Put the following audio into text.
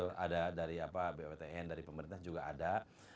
betul ada dari botn dari pemerintah juga ada